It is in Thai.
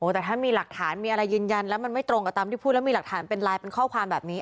แต่ถ้ามีหลักฐานมีอะไรยืนยันแล้วมันไม่ตรงกับตามที่พูดแล้วมีหลักฐานเป็นไลน์เป็นข้อความแบบนี้